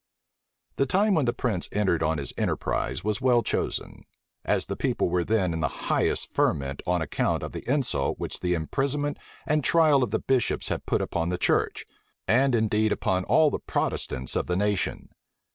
The time when the prince entered on his enterprise was well chosen; as the people were then in the highest ferment on account of the insult which the imprisonment and trial of the bishops had put upon the church, and indeed upon all the Protestants of the nation.